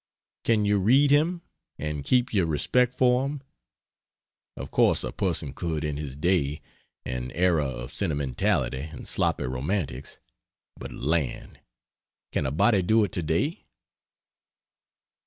Can you read him? and keep your respect for him? Of course a person could in his day an era of sentimentality and sloppy romantics but land! can a body do it today?